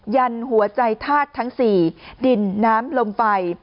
ยันหัวใจทาสทั้งสี่ดินน้ำลมไฟ